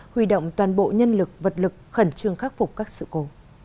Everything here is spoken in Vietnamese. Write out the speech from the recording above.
huy động toàn bộ nhân lực vật lực khẩn trương khắc phục các sự cố